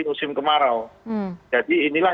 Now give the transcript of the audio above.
musim kemarau jadi inilah